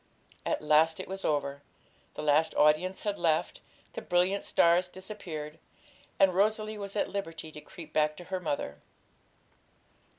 At last it was over; the last audience had left, the brilliant stars disappeared, and Rosalie was at liberty to creep back to her mother.